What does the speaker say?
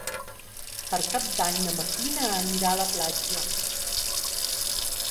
Per Cap d'Any na Martina anirà a la platja.